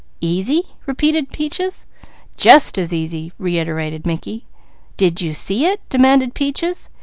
"'Easy?'" repeated Peaches. "Just as easy!" reiterated Mickey. "Did you see it?" demanded Peaches.